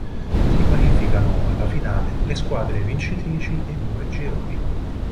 Si qualificano alla finale le squadre vincitrici dei due gironi.